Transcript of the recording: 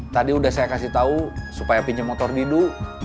tadi udah saya kasih tau supaya pinjem motor didu